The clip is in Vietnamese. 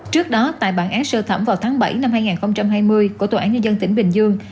trước đó tại bản án sơ thẩm vào tháng bảy năm hai nghìn hai mươi của tòa án nhân dân tỉnh bình dương